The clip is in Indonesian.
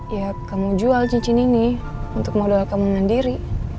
ya kamu jual cincin ini untuk modal kamu mandiri